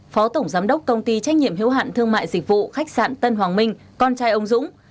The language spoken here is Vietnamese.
phó tổng giám đốc công ty trách nhiệm hiếu hạn thương mại dịch vụ khách sạn tân hoàng minh con trai ông dũng